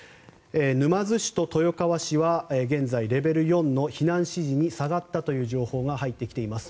沼津市と豊川市は現在、レベル４の避難指示に下がったという情報が入ってきています。